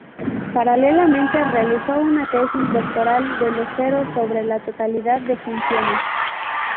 Paralelamente, realizó una tesis doctoral de los ceros sobre la totalidad de funciones.